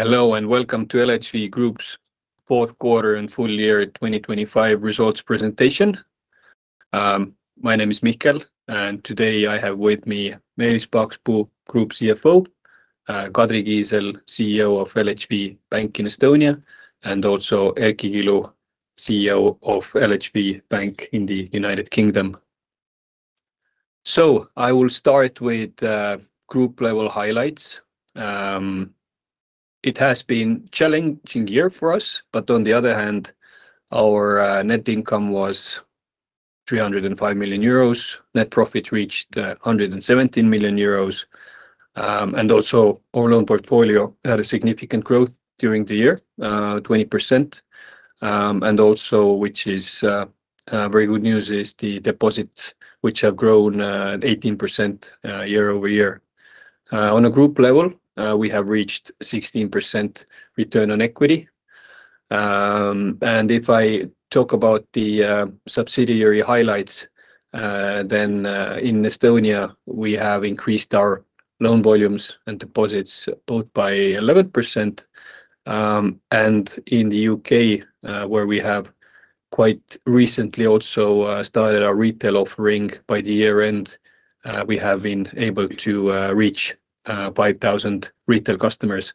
Hello and welcome to LHV Group's Q4 and full year 2025 results presentation. My name is Mihkel, and today I have with me Meelis Paakspuu, Group CFO; Kadri Kiisel, CEO of LHV Pank in Estonia; and also Erki Kilu, CEO of LHV Pank in the United Kingdom. I will start with group-level highlights. It has been a challenging year for us, but on the other hand, our net income was 305 million euros, net profit reached 117 million euros, and also our loan portfolio had a significant growth during the year, 20%, and also, which is very good news, is the deposits which have grown 18% year-over-year. On a group level, we have reached 16% return on equity. If I talk about the subsidiary highlights, then in Estonia we have increased our loan volumes and deposits both by 11%, and in the UK, where we have quite recently also started our retail offering by the year-end, we have been able to reach 5,000 retail customers.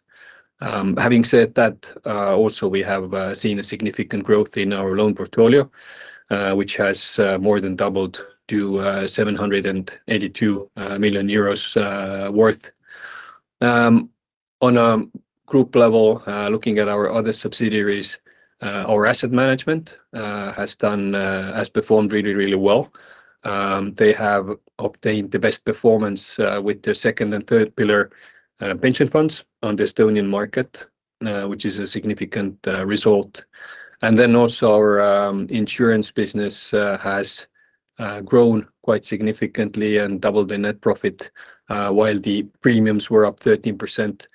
Having said that, also we have seen a significant growth in our loan portfolio, which has more than doubled to 782 million euros worth. On a group level, looking at our other subsidiaries, our asset management has done, has performed really, really well. They have obtained the best performance with their second and third pillar pension funds on the Estonian market, which is a significant result. Then also our insurance business has grown quite significantly and doubled the net profit, while the premiums were up 13%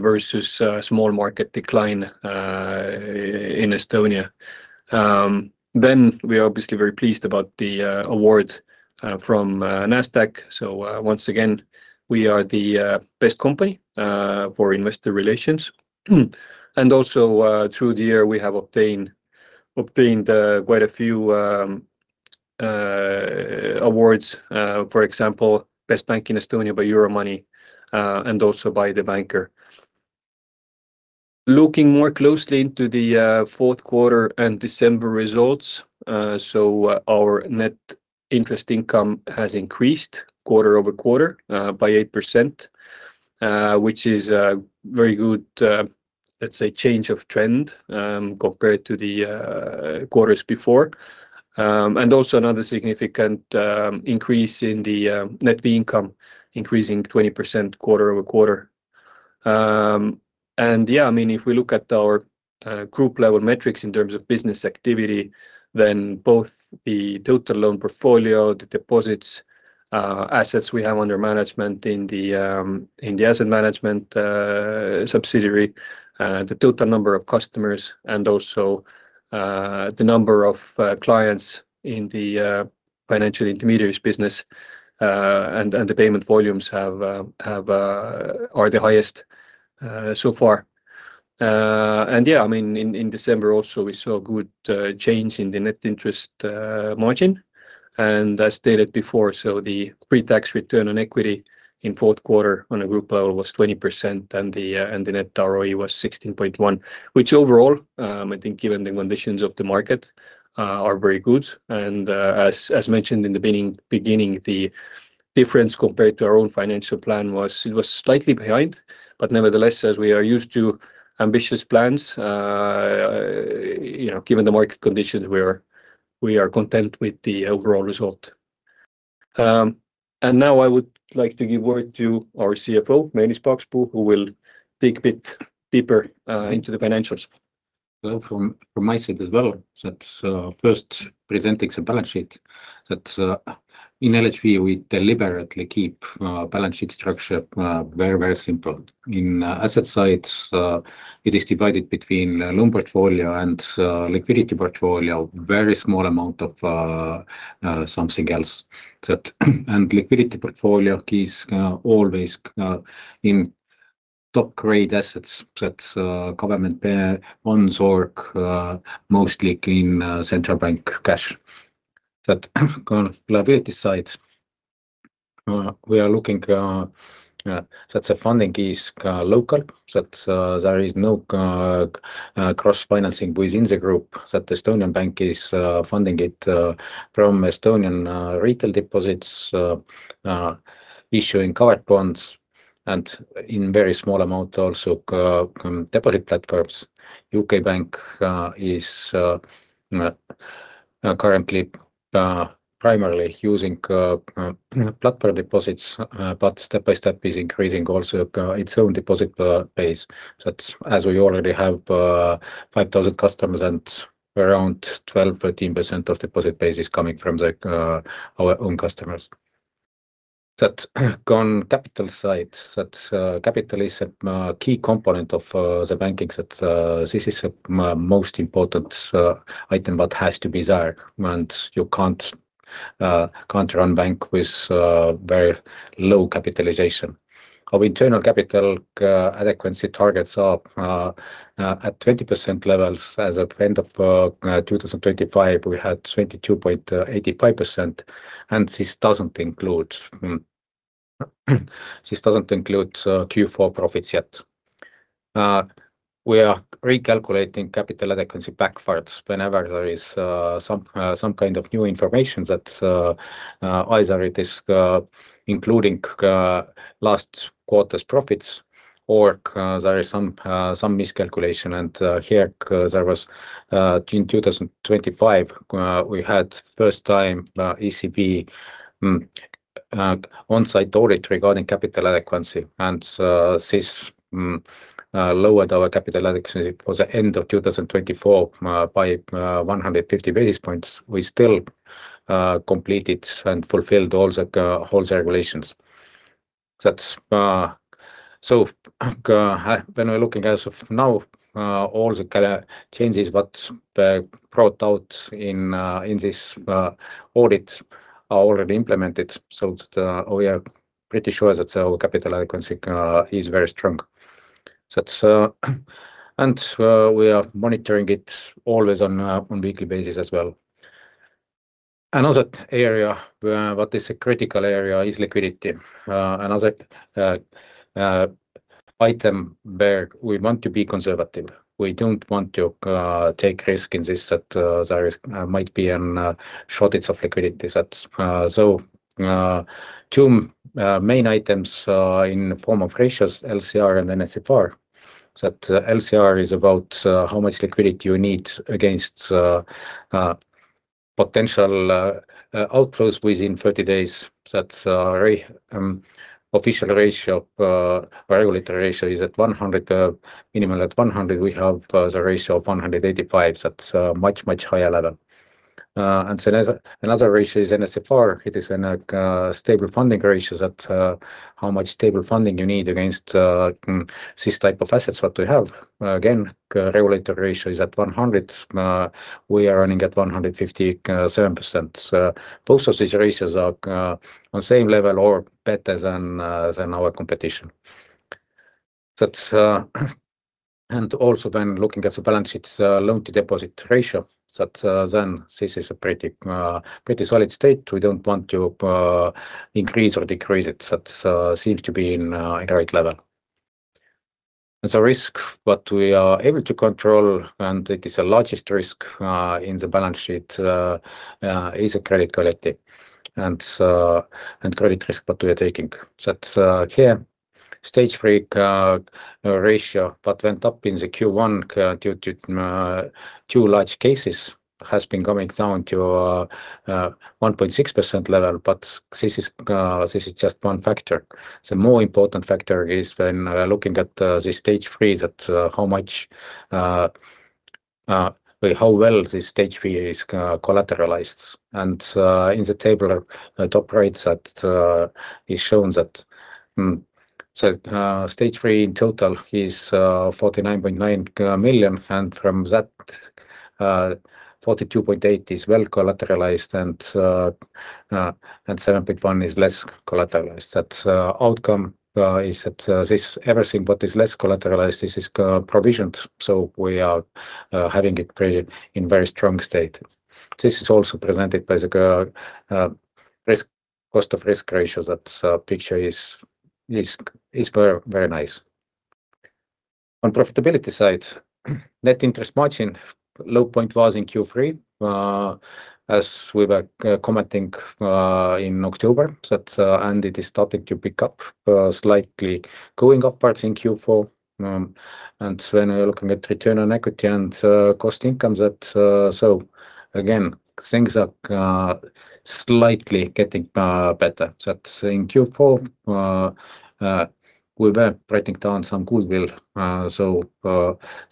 versus small market decline in Estonia. Then we are obviously very pleased about the award from Nasdaq, so once again we are the Best Company for Investor Relations. Also, through the year we have obtained quite a few awards, for example Best Bank in Estonia by Euromoney, and also by The Banker. Looking more closely into the Q4 and December results, our net interest income has increased quarter-over-quarter by 8%, which is a very good, let's say, change of trend compared to the quarters before. Also, another significant increase in the net income, increasing 20% quarter-over-quarter. and yeah, I mean if we look at our group-level metrics in terms of business activity, then both the total loan portfolio, the deposits, assets we have under management in the asset management subsidiary, the total number of customers, and also the number of clients in the financial intermediaries business, and the payment volumes have are the highest so far. And yeah, I mean in December also we saw a good change in the net interest margin, and as stated before, so the pre-tax return on equity in Q4 on a group level was 20% and the net ROE was 16.1%, which overall, I think given the conditions of the market, are very good. And, as mentioned in the beginning, the difference compared to our own financial plan was it was slightly behind, but nevertheless as we are used to ambitious plans, you know, given the market conditions we are content with the overall result. And now I would like to give word to our CFO, Meelis Paakspuu, who will dig a bit deeper into the financials. Well, from my side as well, that's first presenting some balance sheet. That's, in LHV we deliberately keep balance sheet structure very, very simple. In asset sides, it is divided between loan portfolio and liquidity portfolio, very small amount of something else. That, and liquidity portfolio keeps always in top-grade assets. That, government bonds or mostly in central bank cash. That, on the liability side, we are looking that the funding is local. That, there is no cross-financing within the group. That the Estonian bank is funding it from Estonian retail deposits, issuing covered bonds, and in very small amount also deposit platforms. UK Bank is currently primarily using platform deposits, but step by step is increasing also its own deposit base. That, as we already have 5,000 customers and around 12%-13% of deposit base is coming from our own customers. That on the capital side, capital is a key component of the banking. This is the most important item that has to be there, and you can't run bank with very low capitalization. Our internal capital adequacy targets are at 20% levels. As at the end of 2025, we had 22.85%, and this doesn't include Q4 profits yet. We are recalculating capital adequacy backwards whenever there is some kind of new information that either it is including last quarter's profits or there is some miscalculation. And here, there was in 2025 we had first time ECB on-site audit regarding capital adequacy, and this lowered our capital adequacy for the end of 2024 by 150 basis points. We still completed and fulfilled all the regulations. So, when we're looking as of now, all the changes brought out in this audit are already implemented. So, we are pretty sure that our Capital Adequacy is very strong. We are monitoring it always on weekly basis as well. Another area what is a critical area is liquidity. Another item where we want to be conservative. We don't want to take risk in this that there might be a shortage of liquidity. So, two main items in the form of ratios, LCR and NSFR. LCR is about how much liquidity you need against potential outflows within 30 days. The regulatory ratio is at 100, minimum at 100. We have the ratio of 185. That's much, much higher level. And then another ratio is NSFR. It is a stable funding ratio that how much stable funding you need against this type of assets that we have. Again, regulatory ratio is at 100%. We are running at 157%. So, both of these ratios are on the same level or better than our competition. That, and also then looking at the balance sheet, loan to deposit ratio. That, then this is a pretty solid state. We don't want to increase or decrease it. That seems to be in the right level. And the risk that we are able to control, and it is the largest risk in the balance sheet, is a credit quality and credit risk that we are taking. That, here, Stage 3 ratio that went up in the Q1 due to two large cases has been coming down to 1.6% level, but this is just one factor. The more important factor is when we are looking at this Stage 3, that how much, how well this Stage 3 is collateralized. In the table that operates that is shown that so Stage 3 in total is 49.9 million, and from that, 42.8 is well collateralized and 7.1 is less collateralized. That outcome is that this everything that is less collateralized, this is provisioned, so we are having it very, very strong state. This is also presented by the cost of risk ratio that picture is very, very nice. On profitability side, net interest margin low point was in Q3, as we were commenting in October. That and it is starting to pick up, slightly going upwards in Q4. And when we are looking at return on equity and cost/income that so again, things are slightly getting better. That, in Q4, we were writing down some goodwill, so,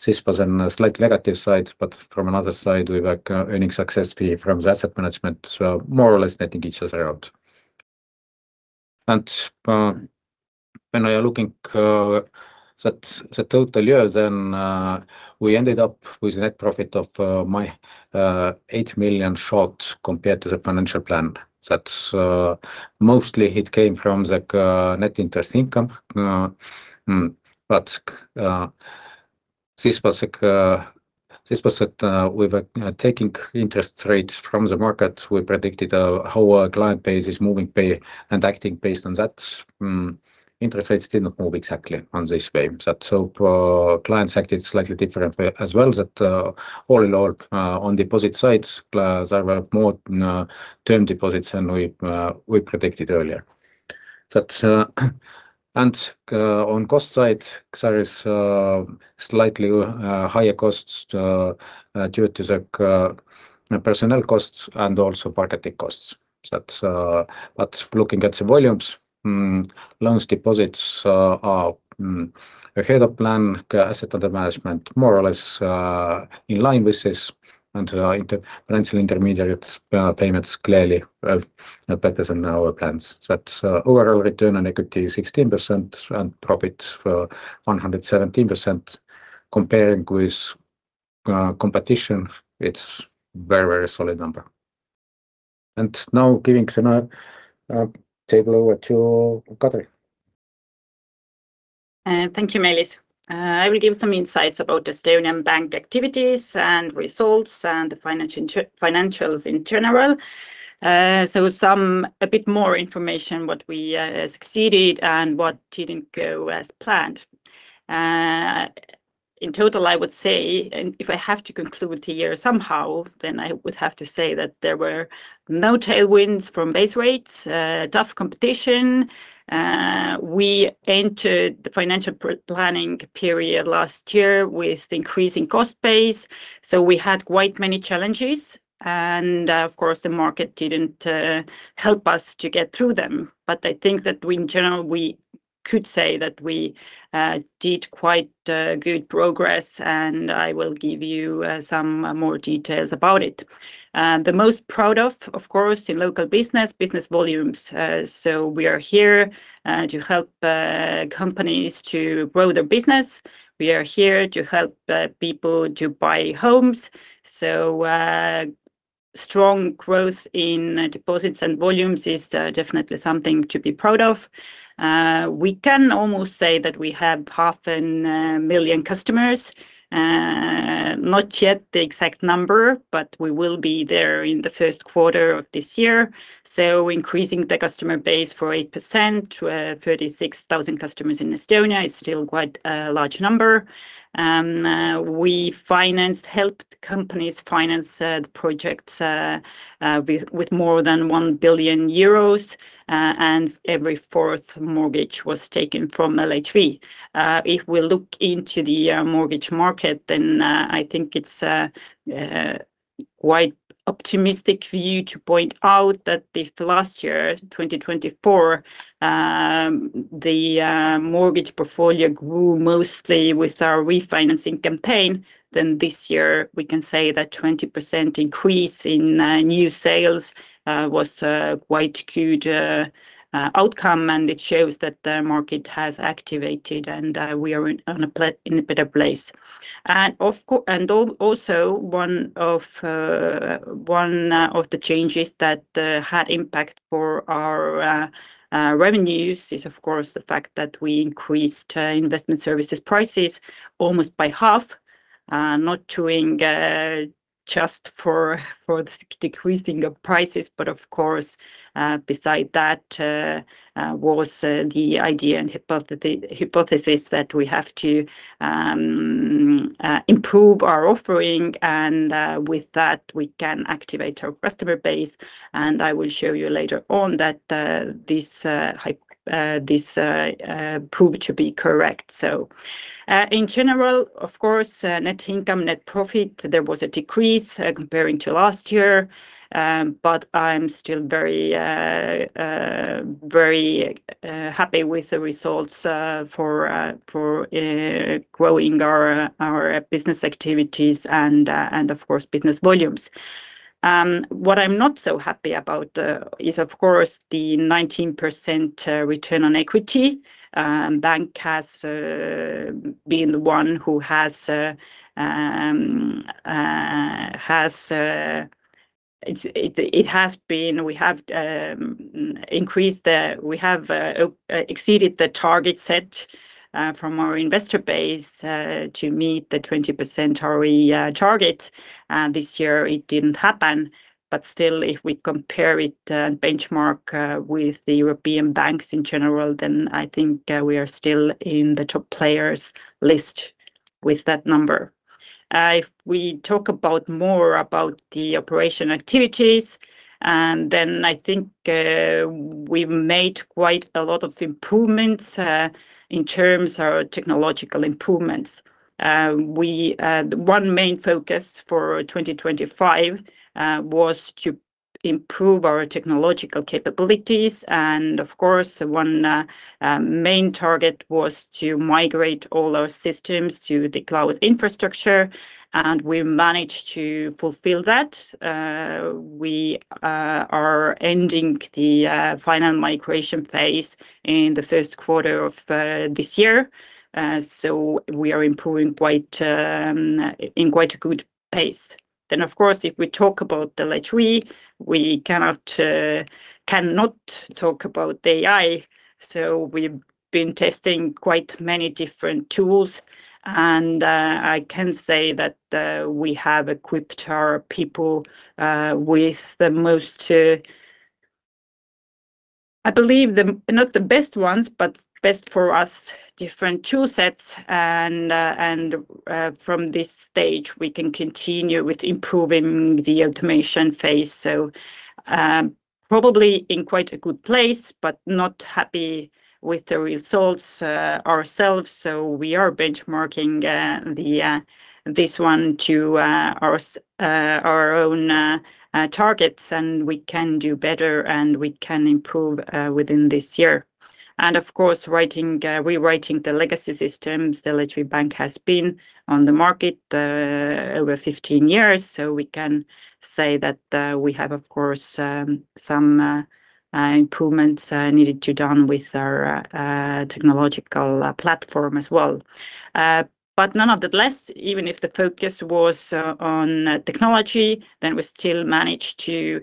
this was on a slightly negative side, but from another side we were, earning success from the asset management, more or less netting each other out. And, when we are looking, that the total year then, we ended up with a net profit of 8 million short compared to the financial plan. That, mostly it came from the net interest income, but, this was a, this was that, we were taking interest rates from the market. We predicted how our client base is moving pay and acting based on that. Interest rates did not move exactly in this way. That, so, clients acted slightly differently as well that, all in all, on deposit sides, there were more term deposits than we, we predicted earlier. And on cost side, there is slightly higher costs due to the personnel costs and also marketing costs. But looking at the volumes, loans deposits are ahead of plan, asset under management more or less in line with this, and the financial intermediaries payments clearly better than our plans. Overall return on equity 16% and profit for 117% comparing with competition, it's very, very solid number. And now giving another table over to Kadri. Thank you, Meelis. I will give some insights about Estonian bank activities and results and the financials in general. So some a bit more information what we succeeded and what didn't go as planned. In total, I would say, and if I have to conclude the year somehow, then I would have to say that there were no tailwinds from base rates, tough competition. We entered the financial planning period last year with increasing cost base, so we had quite many challenges, and of course the market didn't help us to get through them. But I think that we in general, we could say that we did quite good progress, and I will give you some more details about it. The most proud of, of course, in local business, business volumes. So we are here to help companies to grow their business. We are here to help people to buy homes. So, strong growth in deposits and volumes is definitely something to be proud of. We can almost say that we have 500,000 customers. Not yet the exact number, but we will be there in the Q1 of this year. So increasing the customer base for 8% to 36,000 customers in Estonia is still quite a large number. We financed, helped companies finance the projects, with more than 1 billion euros, and every fourth mortgage was taken from LHV. If we look into the mortgage market, then I think it's quite optimistic view to point out that if last year, 2024, the mortgage portfolio grew mostly with our refinancing campaign, then this year we can say that 20% increase in new sales was a quite good outcome, and it shows that the market has activated and we are in a better place. And of course, and also one of the changes that had impact for our revenues is of course the fact that we increased investment services prices almost by half, not doing just for the decreasing of prices, but of course, besides that, was the idea and hypothesis that we have to improve our offering and with that we can activate our customer base. And I will show you later on that this proved to be correct. So, in general, of course, net income, net profit, there was a decrease comparing to last year, but I'm still very, very happy with the results for growing our business activities and of course business volumes. What I'm not so happy about is of course the 19% return on equity. The bank has been the one who has exceeded the target set from our investor base to meet the 20% ROE target. This year it didn't happen, but still if we compare it and benchmark with the European banks in general, then I think we are still in the top players list with that number. If we talk about the operational activities, and then I think we made quite a lot of improvements in terms of technological improvements. One main focus for 2025 was to improve our technological capabilities, and of course one main target was to migrate all our systems to the cloud infrastructure, and we managed to fulfill that. We are ending the final migration phase in the Q1 of this year. So we are improving quite in a good pace. Then of course if we talk about the LHV, we cannot talk about the AI. So we've been testing quite many different tools, and I can say that we have equipped our people with the most, I believe not the best ones, but best for us different tool sets, and from this stage we can continue with improving the automation phase. So, probably in quite a good place, but not happy with the results ourselves. So we are benchmarking this one to our own targets, and we can do better, and we can improve, within this year. And of course rewriting the legacy systems, the LHV Bank has been on the market over 15 years, so we can say that we have of course some improvements needed to done with our technological platform as well. But nonetheless, even if the focus was on technology, then we still managed to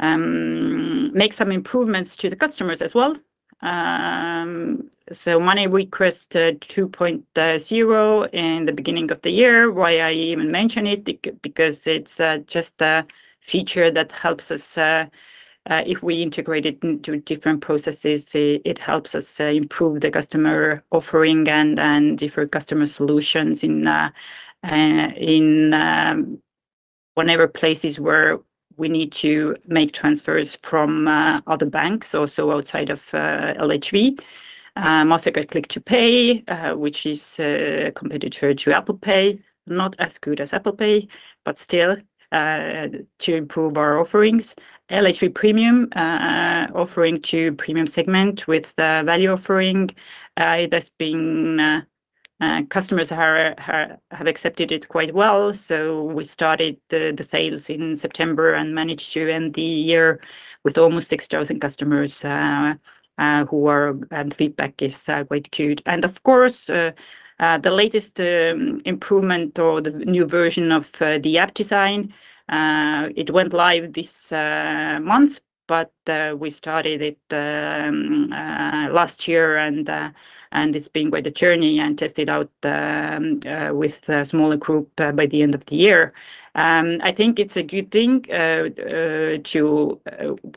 make some improvements to the customers as well. So Money Request 2.0 in the beginning of the year, why I even mention it, because it's just a feature that helps us, if we integrate it into different processes, it helps us improve the customer offering and different customer solutions in whatever places where we need to make transfers from other banks, also outside of LHV. Mastercard Click to Pay, which is a competitor to Apple Pay, not as good as Apple Pay, but still to improve our offerings. LHV Premium offering to premium segment with the value offering; it has been, customers have accepted it quite well. So we started the sales in September and managed to end the year with almost 6,000 customers, who are, and feedback is quite good. And of course, the latest improvement or the new version of the app design; it went live this month, but we started it last year and it's been quite a journey and tested out with a smaller group by the end of the year. I think it's a good thing;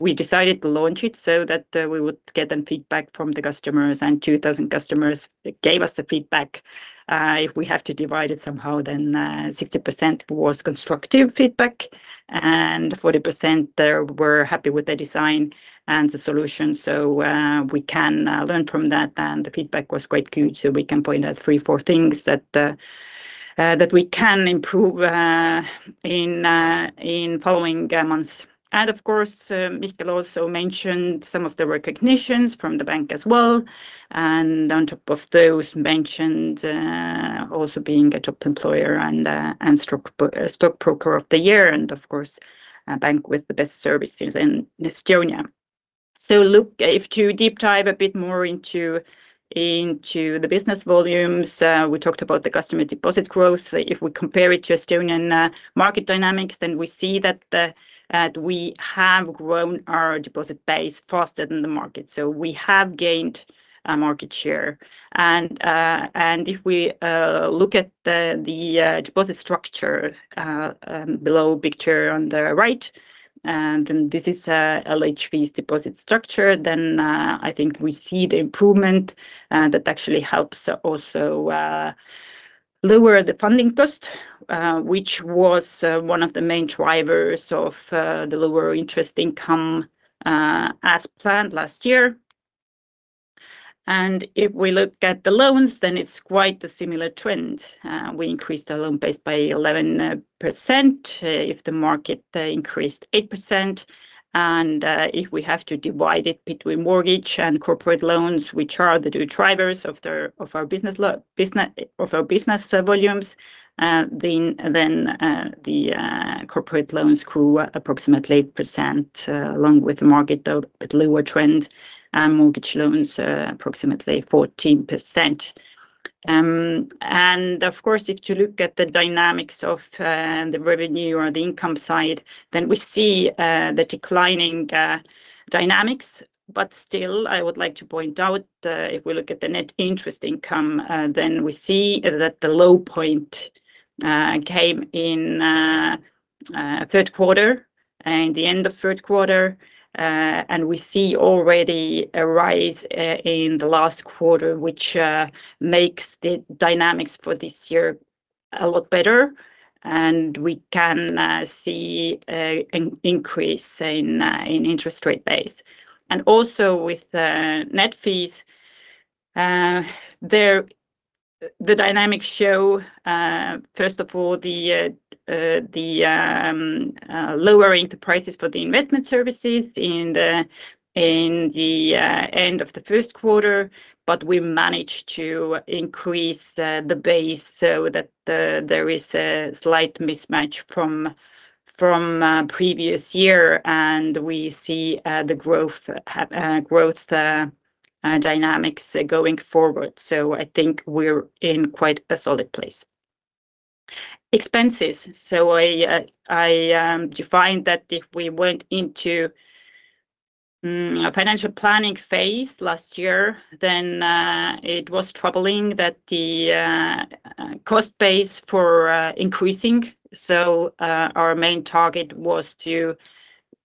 we decided to launch it so that we would get them feedback from the customers, and 2,000 customers gave us the feedback. If we have to divide it somehow, then 60% was constructive feedback, and 40% there were happy with the design and the solution. So we can learn from that, and the feedback was quite good, so we can point out three, four things that we can improve in following months. And of course, Mihkel also mentioned some of the recognitions from the bank as well, and on top of those mentioned, also being a Top Employer and Stockbroker of the Year, and of course, a Bank with the Best Services in Estonia. So look, if to deep dive a bit more into the business volumes, we talked about the customer deposit growth. If we compare it to Estonian market dynamics, then we see that we have grown our deposit base faster than the market. So we have gained a market share. And if we look at the deposit structure, the below picture on the right, and then this is LHV's deposit structure, then I think we see the improvement that actually helps also lower the funding cost, which was one of the main drivers of the lower interest income, as planned last year. And if we look at the loans, then it's quite a similar trend. We increased our loan base by 11% if the market increased 8%. And if we have to divide it between mortgage and corporate loans, which are the two drivers of our business volumes, then the corporate loans grew approximately 8% along with the market, though a bit lower trend, and mortgage loans approximately 14%. And of course, if to look at the dynamics of the revenue or the income side, then we see the declining dynamics. But still, I would like to point out if we look at the net interest income, then we see that the low point came in Q3 and the end of Q3. We see already a rise in the last quarter, which makes the dynamics for this year a lot better. We can see an increase in interest rate base. Also with net fees, there the dynamics show, first of all, the lowering to prices for the investment services in the end of the Q1. But we managed to increase the base so that there is a slight mismatch from previous year, and we see the growth, growth, dynamics going forward. So I think we're in quite a solid place. Expenses. So I defined that if we went into a financial planning phase last year, then it was troubling that the cost base for increasing. So our main target was to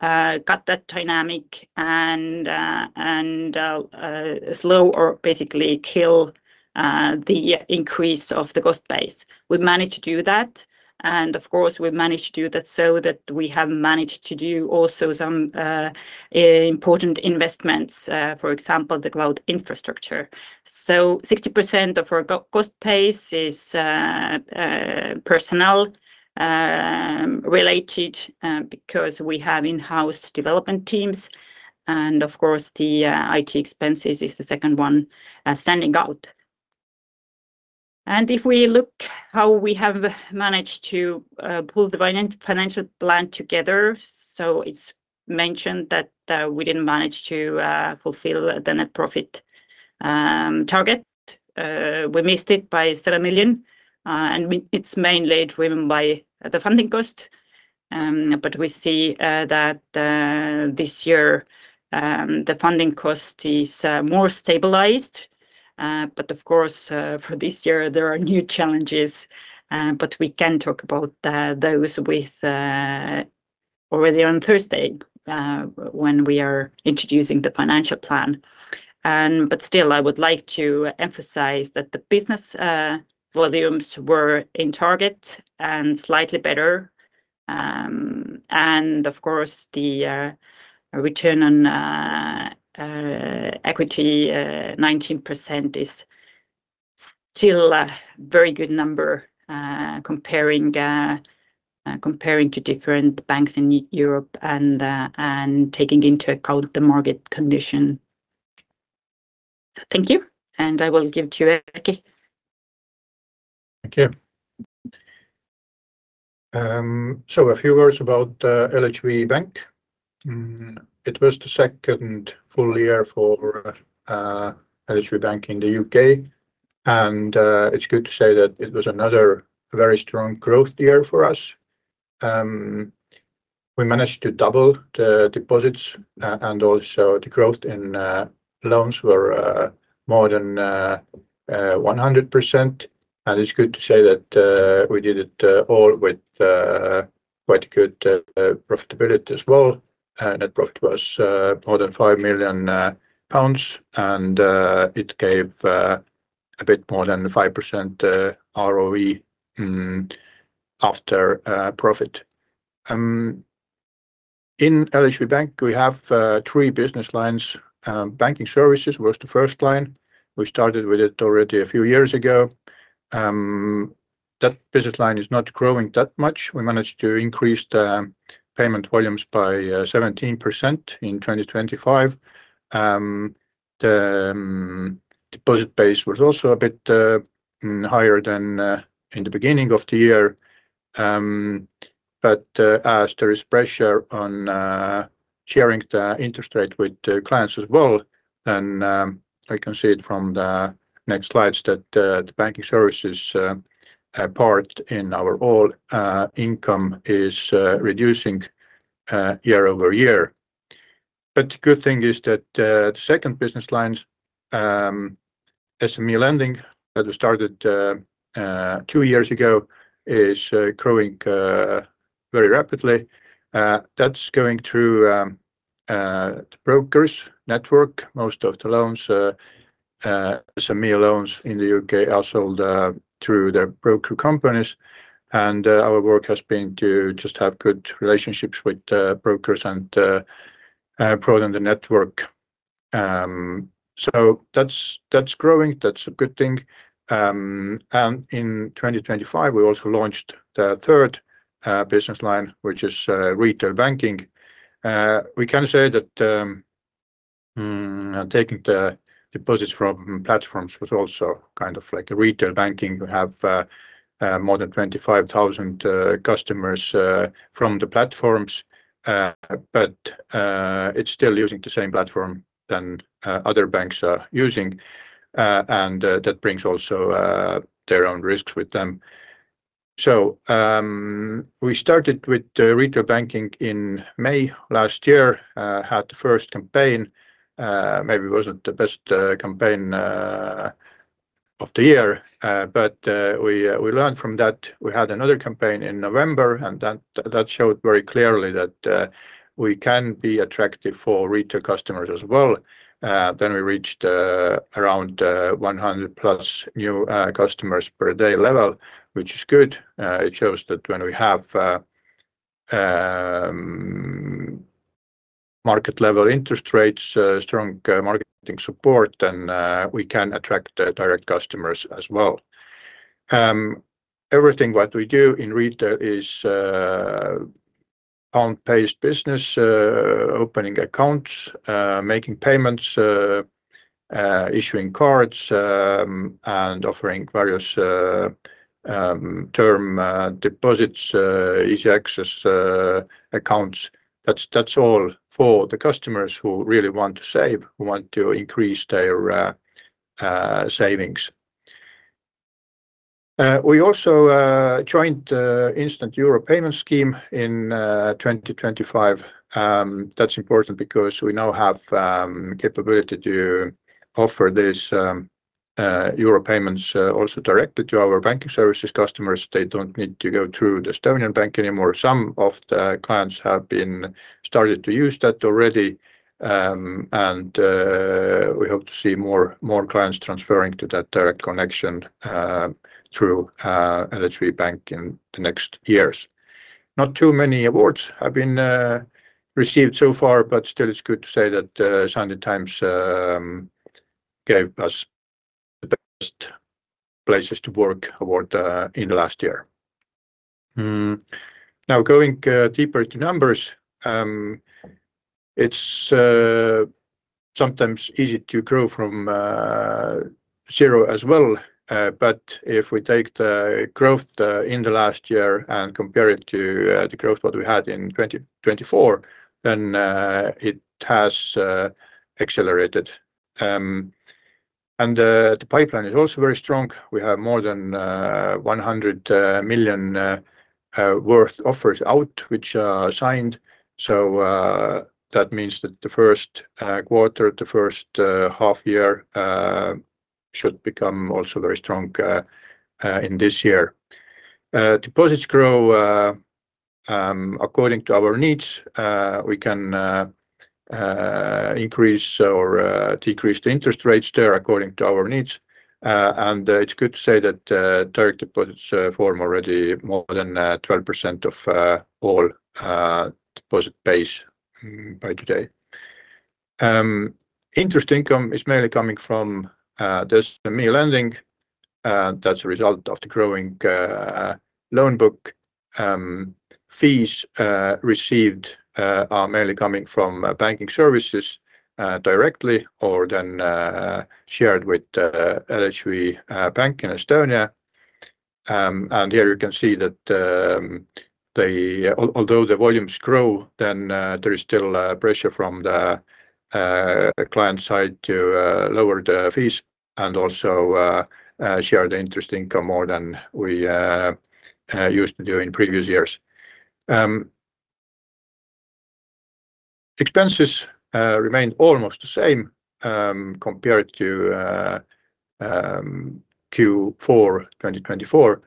cut that dynamic and slow or basically kill the increase of the cost base. We managed to do that. And of course, we managed to do that so that we have managed to do also some important investments, for example, the cloud infrastructure. So 60% of our cost base is personnel-related, because we have in-house development teams. And of course, the IT expenses is the second one standing out. And if we look how we have managed to pull the financial plan together, so it's mentioned that we didn't manage to fulfill the net profit target. We missed it by 7 million. And it's mainly driven by the funding cost. But we see that this year the funding cost is more stabilized. But of course, for this year, there are new challenges. But we can talk about those with already on Thursday, when we are introducing the financial plan. And but still, I would like to emphasize that the business volumes were in target and slightly better. And of course, the return on equity 19% is still a very good number, comparing to different banks in Europe and taking into account the market condition. Thank you. And I will give to Erki. Thank you. So a few words about the LHV Bank. It was the second full year for LHV Bank in the UK. And it's good to say that it was another very strong growth year for us. We managed to double the deposits and also the growth in loans were more than 100%. It's good to say that we did it all with quite a good profitability as well. Net profit was more than 5 million pounds. It gave a bit more than 5% ROE after profit. In LHV Bank, we have three business lines. Banking services was the first line. We started with it already a few years ago. That business line is not growing that much. We managed to increase the payment volumes by 17% in 2025. The deposit base was also a bit higher than in the beginning of the year. But as there is pressure on sharing the interest rate with the clients as well, then I can see it from the next slides that the banking services part in our overall income is reducing year-over-year. But the good thing is that the second business line, SME lending that we started 2 years ago, is growing very rapidly. That's going through the brokers network. Most of the loans, SME loans in the UK are sold through their broker companies. And our work has been to just have good relationships with the brokers and broaden the network. So that's growing. That's a good thing. And in 2025, we also launched the third business line, which is retail banking. We can say that taking the deposits from platforms was also kind of like a retail banking. We have more than 25,000 customers from the platforms. But it's still using the same platform than other banks are using. And that brings also their own risks with them. So we started with the retail banking in May last year, had the first campaign. Maybe it wasn't the best campaign of the year, but we learned from that. We had another campaign in November, and that showed very clearly that we can be attractive for retail customers as well. Then we reached around 100+ new customers per day level, which is good. It shows that when we have market-level interest rates, strong marketing support, then we can attract direct customers as well. Everything what we do in retail is pound-based business, opening accounts, making payments, issuing cards, and offering various term deposits, easy access accounts. That's all for the customers who really want to save, who want to increase their savings. We also joined Instant Euro Payment Scheme in 2025. That's important because we now have capability to offer this Europe Payments also directly to our banking services customers. They don't need to go through the Estonian bank anymore. Some of the clients have been started to use that already. We hope to see more, more clients transferring to that direct connection through LHV Bank in the next years. Not too many awards have been received so far, but still it's good to say that The Sunday Times gave us the Best Places to Work award in the last year. Now, going deeper into numbers, it's sometimes easy to grow from zero as well. But if we take the growth in the last year and compare it to the growth what we had in 2024, then it has accelerated. The pipeline is also very strong. We have more than 100 million worth offers out, which are signed. So, that means that the Q1, the first half year, should become also very strong in this year. Deposits grow according to our needs. We can increase or decrease the interest rates there according to our needs. It's good to say that direct deposits form already more than 12% of all deposit base by today. Interest income is mainly coming from the SME lending. That's a result of the growing loan book. Fees received are mainly coming from banking services, directly or then shared with LHV Bank in Estonia. Here you can see that although the volumes grow, then there is still a pressure from the client side to lower the fees and also share the interest income more than we used to do in previous years. Expenses remain almost the same compared to Q4 2024.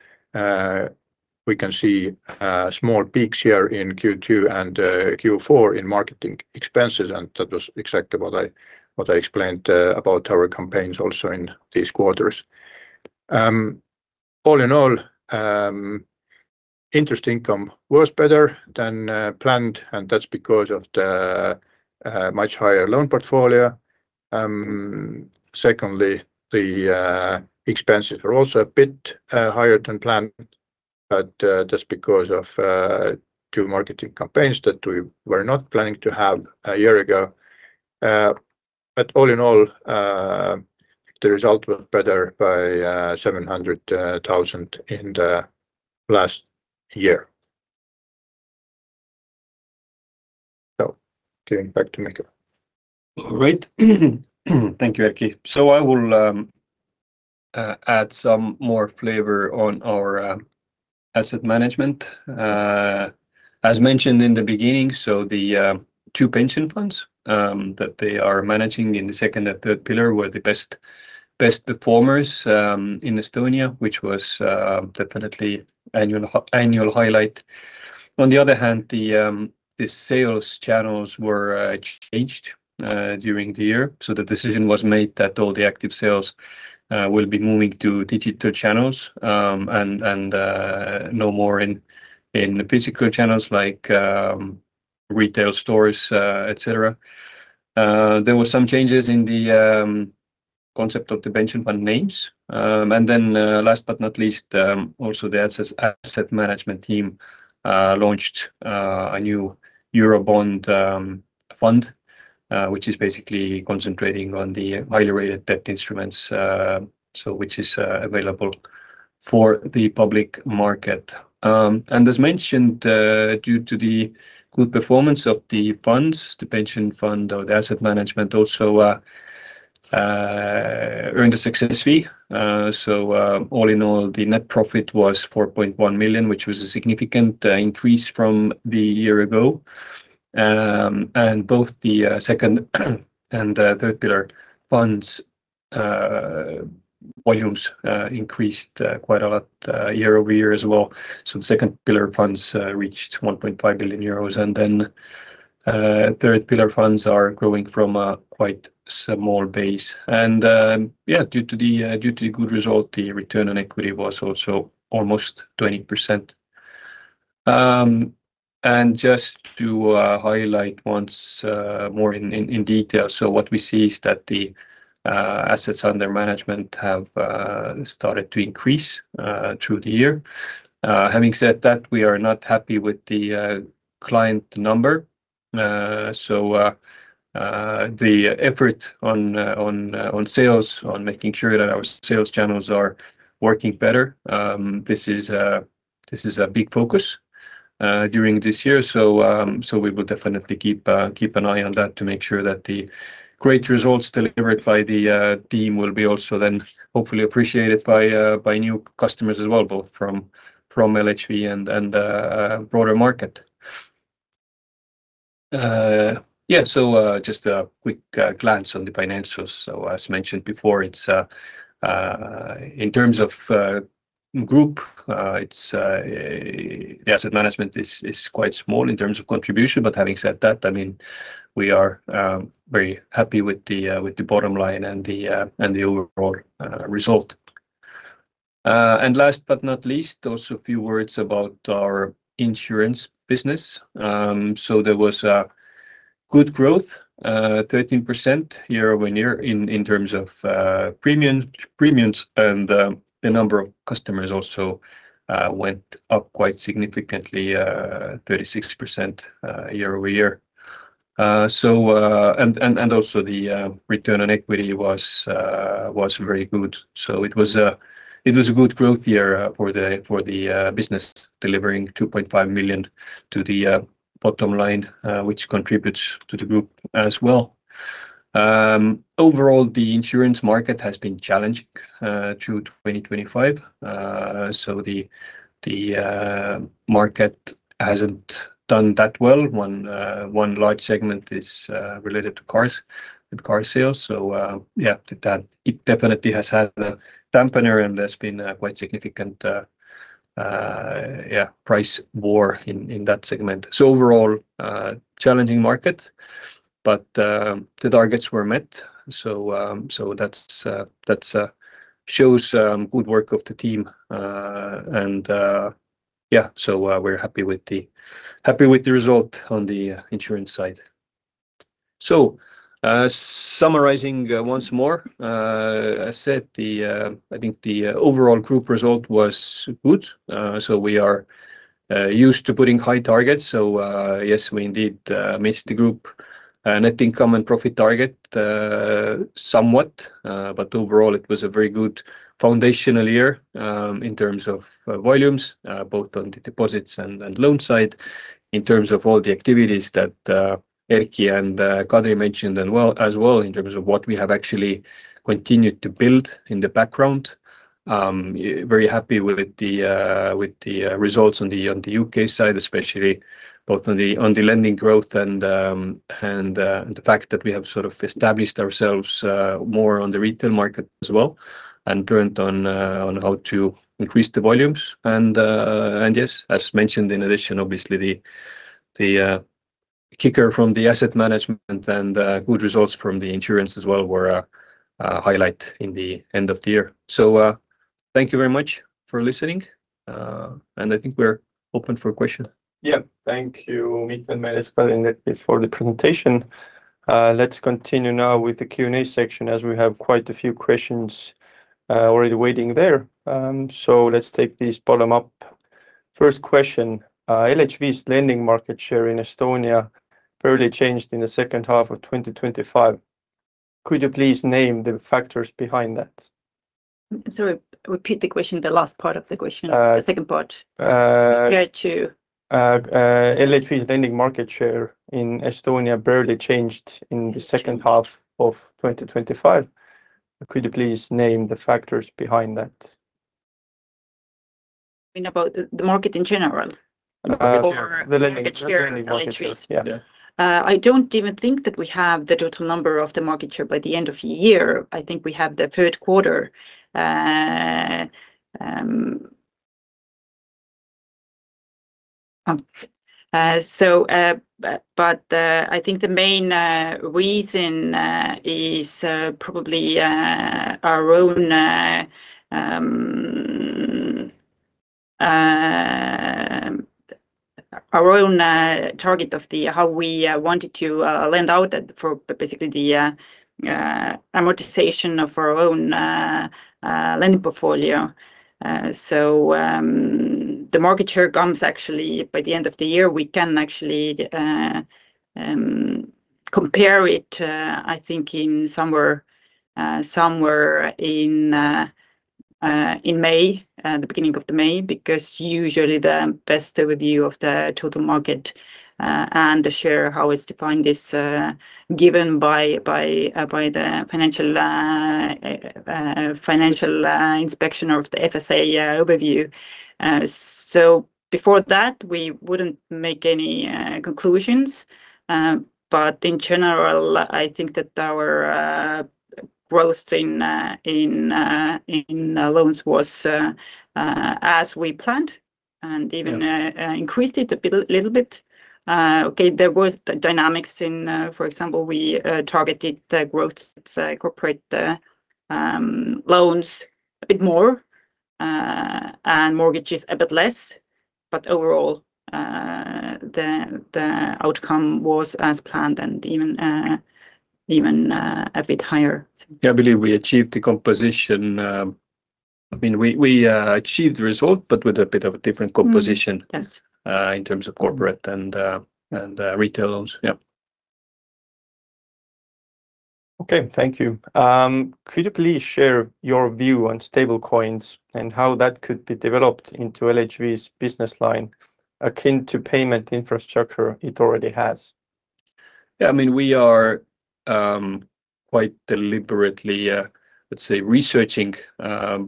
We can see small peaks here in Q2 and Q4 in marketing expenses. That was exactly what I, what I explained about our campaigns also in these quarters. All in all, interest income was better than planned, and that's because of the much higher loan portfolio. Secondly, the expenses were also a bit higher than planned, but that's because of two marketing campaigns that we were not planning to have a year ago. But all in all, the result was better by 700,000 in the last year. So, giving back to Mihkel. All right. Thank you, Erki. So I will add some more flavor on our asset management. As mentioned in the beginning, so the two pension funds that they are managing in the second and third pillar were the best, best performers in Estonia, which was definitely an annual highlight. On the other hand, the sales channels were changed during the year. So the decision was made that all the active sales will be moving to digital channels, and no more in physical channels like retail stores, etc. There were some changes in the concept of the pension fund names. And then, last but not least, also the asset management team launched a new Eurobond Fund, which is basically concentrating on the highly rated debt instruments, so which is available for the public market. And as mentioned, due to the good performance of the funds, the pension fund or the asset management also earned a success fee. So, all in all, the net profit was 4.1 million, which was a significant increase from the year-ago. And both the second and third pillar funds volumes increased quite a lot year-over-year as well. So the second pillar funds reached 1.5 billion euros. Then, third pillar funds are growing from a quite small base. Yeah, due to the good result, the return on equity was also almost 20%. And just to highlight once more in detail, so what we see is that the assets under management have started to increase through the year. Having said that, we are not happy with the client number. So, the effort on sales, on making sure that our sales channels are working better, this is a big focus during this year. So we will definitely keep an eye on that to make sure that the great results delivered by the team will be also then hopefully appreciated by new customers as well, both from LHV and broader market. Yeah, so just a quick glance on the financials. So, as mentioned before, it's, in terms of the group, the asset management is quite small in terms of contribution. But having said that, I mean, we are very happy with the bottom line and the overall result. And last but not least, also a few words about our insurance business. So there was good growth, 13% year-over-year in terms of premiums, and the number of customers also went up quite significantly, 36% year-over-year. And also the return on equity was very good. So it was a good growth year for the business, delivering 2.5 million to the bottom line, which contributes to the group as well. Overall, the insurance market has been challenging through 2025. So the market hasn't done that well. One large segment is related to cars and car sales. So, yeah, that it definitely has had a dampener and there's been quite significant, yeah, price war in that segment. So overall, challenging market, but the targets were met. So that's, that shows good work of the team. And, yeah, so we're happy with the result on the insurance side. So, summarizing once more, as said, I think the overall group result was good. So we are used to putting high targets. So, yes, we indeed missed the group net income and profit target, somewhat. But overall, it was a very good foundational year in terms of volumes, both on the deposits and loan side, in terms of all the activities that Erki and Kadri mentioned as well in terms of what we have actually continued to build in the background. Very happy with the results on the UK side, especially both on the lending growth and the fact that we have sort of established ourselves more on the retail market as well and learned on how to increase the volumes. And yes, as mentioned, in addition, obviously, the kicker from the asset management and good results from the insurance as well were highlights in the end of the year. So, thank you very much for listening. And I think we're open for questions. Yeah, thank you, Mihkel and Meriska Lindqvist for the presentation. Let's continue now with the Q&A section as we have quite a few questions already waiting there. So let's take these bottom up. First question, LHV's lending market share in Estonia barely changed in the second half of 2025. Could you please name the factors behind that? Sorry, repeat the question, the last part of the question, the second part, compared to. LHV's lending market share in Estonia barely changed in the second half of 2025. Could you please name the factors behind that? You mean about the market in general or the market share of LHV? Yeah. I don't even think that we have the total number of the market share by the end of the year. I think we have the Q3. So, but I think the main reason is probably our own target of how we wanted to lend out for basically the amortization of our own lending portfolio. So, the market share comes actually by the end of the year. We can actually compare it, I think, somewhere in May, the beginning of May, because usually the best overview of the total market and the share, how it's defined, is given by the financial inspection or the FSA overview. So, before that, we wouldn't make any conclusions. But in general, I think that our growth in loans was as we planned and even increased it a little bit. Okay, there were dynamics in, for example, we targeted the growth of corporate loans a bit more and mortgages a bit less. But overall, the outcome was as planned and even a bit higher. Yeah, I believe we achieved the composition. I mean, we achieved the result, but with a bit of a different composition, in terms of corporate and retail loans. Yeah. Okay, thank you. Could you please share your view on stablecoins and how that could be developed into LHV's business line akin to payment infrastructure it already has? Yeah, I mean, we are, quite deliberately, let's say, researching,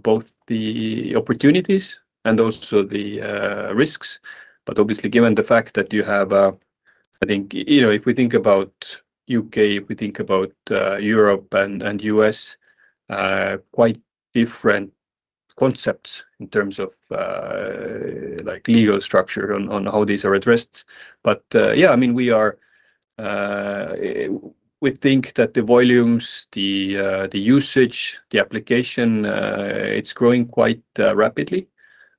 both the opportunities and also the, risks. But obviously, given the fact that you have, I think, you know, if we think about U.K., if we think about, Europe and, and U.S., quite different concepts in terms of, like legal structure on, on how these are addressed. But, yeah, I mean, we are, we think that the volumes, the, the usage, the application, it's growing quite rapidly.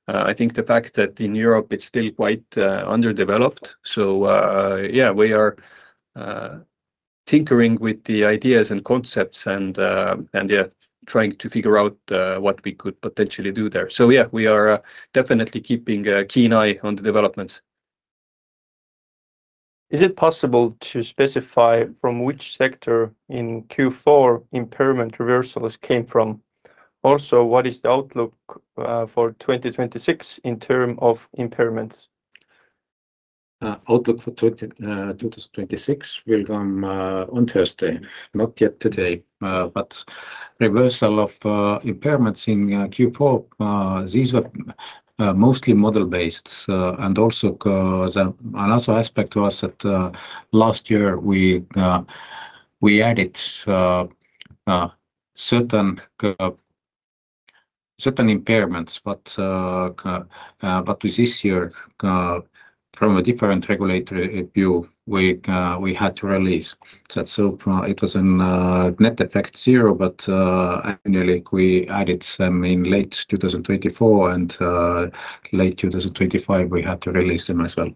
I think the fact that in Europe, it's still quite, underdeveloped. So, yeah, we are, tinkering with the ideas and concepts and, and, yeah, trying to figure out, what we could potentially do there. So, yeah, we are, definitely keeping a keen eye on the developments. Is it possible to specify from which sector in Q4 impairment reversals came from? Also, what is the outlook for 2026 in terms of impairments? Outlook for 2026 will come on Thursday, not yet today. But reversal of impairments in Q4, these were mostly model-based. And also, another aspect was that last year we added certain impairments. But with this year, from a different regulatory view, we had to release. So it was a net effect zero, but annually we added some in late 2024 and late 2025 we had to release them as well.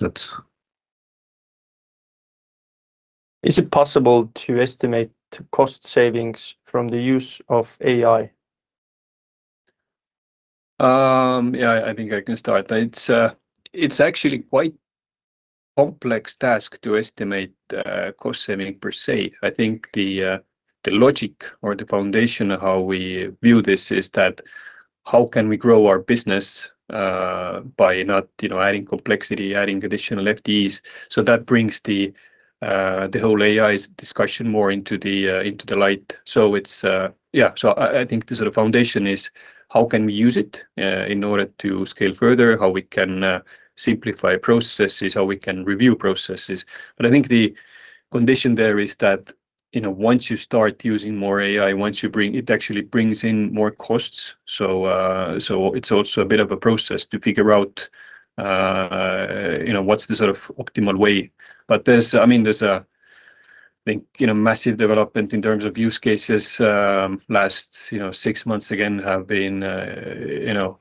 That's. I s it possible to estimate cost savings from the use of AI? Yeah, I think I can start. It's actually quite a complex task to estimate cost saving per se. I think the logic or the foundation of how we view this is that how can we grow our business, by not, you know, adding complexity, adding additional FTEs. So that brings the whole AI discussion more into the light. So it's, yeah, so I think the sort of foundation is how can we use it, in order to scale further, how we can, simplify processes, how we can review processes. But I think the condition there is that, you know, once you start using more AI, once you bring, it actually brings in more costs. So, so it's also a bit of a process to figure out, you know, what's the sort of optimal way. But there's, I mean, there's a, I think, you know, massive development in terms of use cases. Last, you know, six months again have been, you know,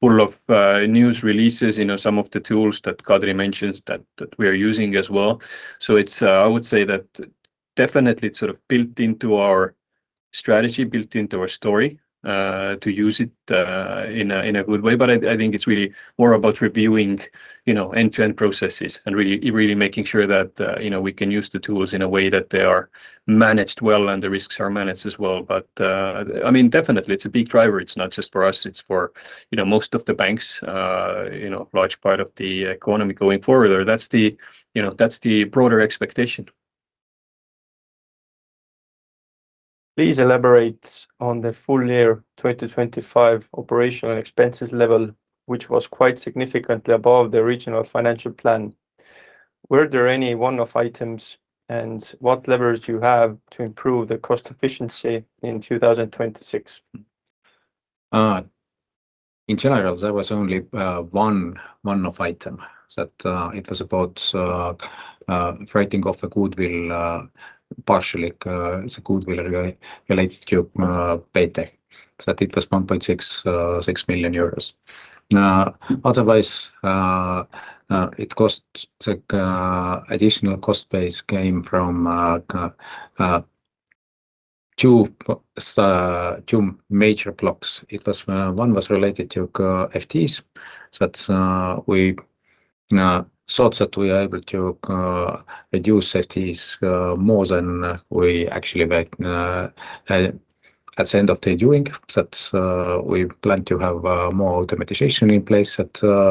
full of news releases, you know, some of the tools that Kadri mentions that, that we are using as well. So it's, I would say that definitely it's sort of built into our strategy, built into our story, to use it in a good way. But I, I think it's really more about reviewing, you know, end-to-end processes and really, really making sure that, you know, we can use the tools in a way that they are managed well and the risks are managed as well. But, I mean, definitely it's a big driver. It's not just for us. It's for, you know, most of the banks, you know, large part of the economy going forward. Or that's the, you know, that's the broader expectation. Please elaborate on the full year 2025 operational expenses level, which was quite significantly above the regional financial plan. Were there any one-off items and what levers do you have to improve the cost efficiency in 2026? In general, there was only 1 one-off item. It was about writing off goodwill, partially; it's goodwill related to paytech. So it was 1.66 million euros. Otherwise, the additional cost base came from 2 major blocks. One was related to FTEs. We thought that we are able to reduce FTEs more than we actually were at the end of the day. We planned to have more automation in place.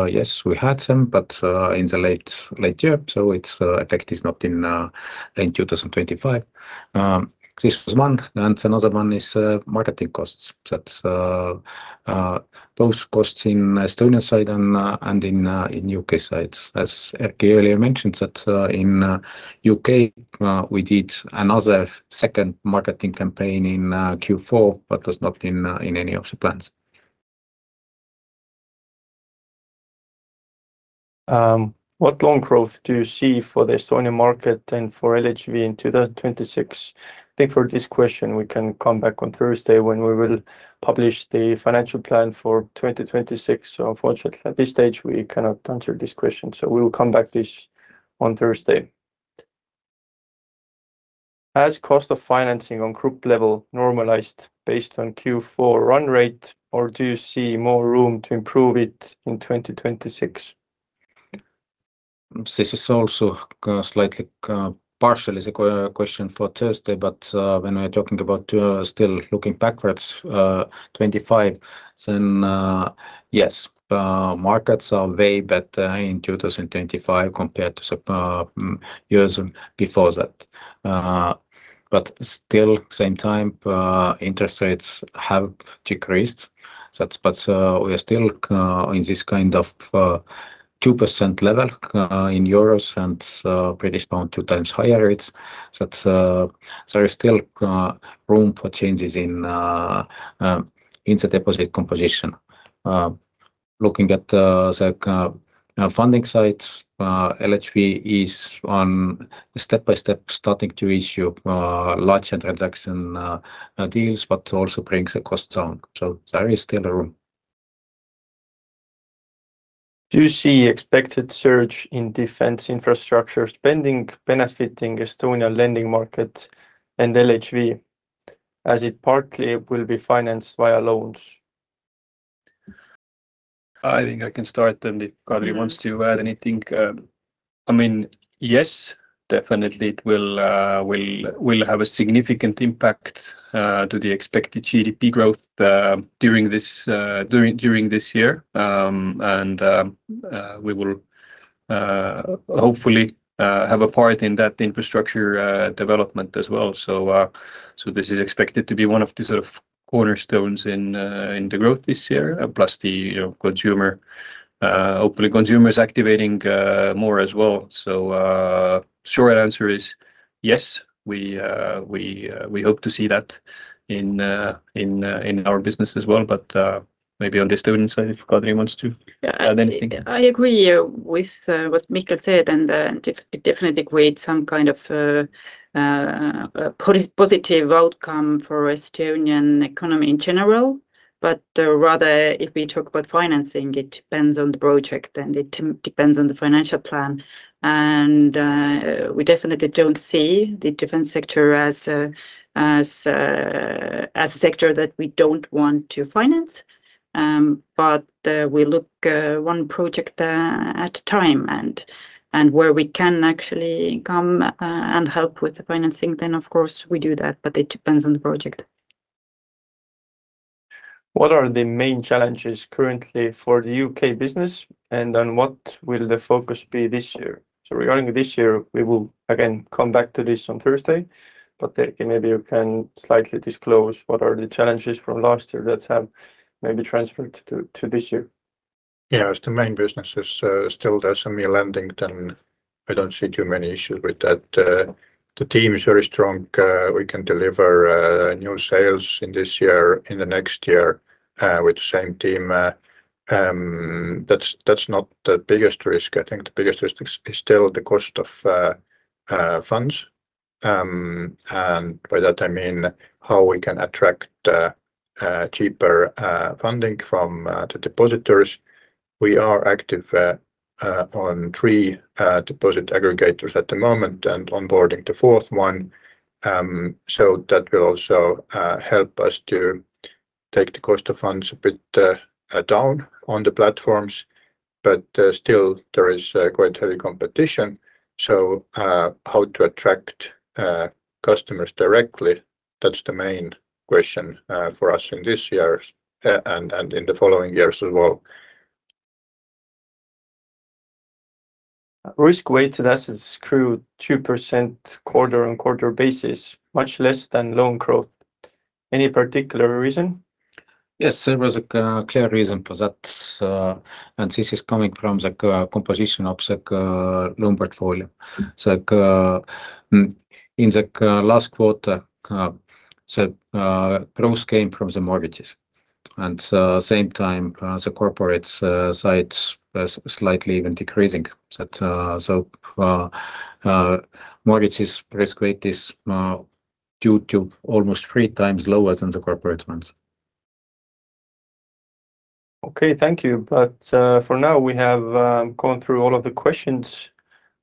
Yes, we had some, but in the late year. So its effect is not in 2025. This was one. And another one is marketing costs. That both costs in Estonian side and in U.K. side. As Erki earlier mentioned, in U.K., we did another second marketing campaign in Q4, but was not in any of the plans. What long growth do you see for the Estonian market and for LHV in 2026? I think for this question, we can come back on Thursday when we will publish the financial plan for 2026. Unfortunately, at this stage, we cannot answer this question. So we will come back to this on Thursday. Has cost of financing on group level normalized based on Q4 run rate, or do you see more room to improve it in 2026? This is also slightly partially the question for Thursday, but when we are talking about still looking backwards, 2025, then, yes, markets are way better in 2025 compared to the years before that. still, at the same time, interest rates have decreased. That but we are still in this kind of 2% level in euros and British pound two times higher rates. That there is still room for changes in the deposit composition. Looking at the funding side, LHV is step by step starting to issue large transaction deals, but also brings a cost down. So there is still room. Do you see expected surge in defense infrastructure spending benefiting Estonian lending market and LHV, as it partly will be financed via loans? I think I can start and if Kadri wants to add anything. I mean, yes, definitely it will have a significant impact to the expected GDP growth during this year. We will hopefully have a part in that infrastructure development as well. So this is expected to be one of the sort of cornerstones in the growth this year, plus the, you know, consumer. Hopefully consumer is activating more as well. So, short answer is yes. We hope to see that in our business as well. But maybe on the Estonian side if Kadri wants to add anything. I agree with what Mihkel said and definitely create some kind of positive outcome for Estonian economy in general. But rather, if we talk about financing, it depends on the project and it depends on the financial plan. We definitely don't see the defense sector as a sector that we don't want to finance. But we look one project at a time and where we can actually come and help with the financing, then of course we do that. But it depends on the project. What are the main challenges currently for the UK business and on what will the focus be this year? So regarding this year, we will again come back to this on Thursday. But Erki, maybe you can slightly disclose what are the challenges from last year that have maybe transferred to this year? Yeah, as the main business is still does some year lending, then I don't see too many issues with that. The team is very strong. We can deliver new sales in this year, in the next year with the same team. That's not the biggest risk. I think the biggest risk is still the cost of funds. And by that I mean how we can attract cheaper funding from the depositors. We are active on three deposit aggregators at the moment and onboarding the fourth one. So that will also help us to take the cost of funds a bit down on the platforms. But still, there is quite heavy competition. So, how to attract customers directly, that's the main question for us in this year and in the following years as well. Risk-weighted assets grew 2% quarter-on-quarter basis, much less than loan growth. Any particular reason? Yes, there was a clear reason for that. This is coming from the composition of the loan portfolio. So, in the last quarter, the growth came from the mortgages. And same time, the corporate side was slightly even decreasing. That, so, mortgages risk weight is due to almost three times lower than the corporate ones. Okay, thank you. But for now, we have gone through all of the questions.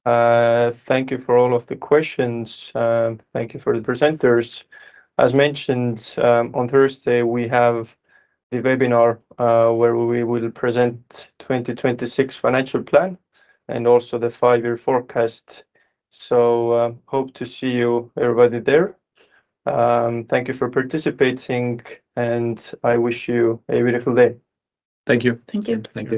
Thank you for all of the questions. Thank you for the presenters. As mentioned, on Thursday, we have the webinar, where we will present the 2026 financial plan and also the five-year forecast. So, hope to see you everybody there. Thank you for participating and I wish you a beautiful day. Thank you. Thank you. Thank you.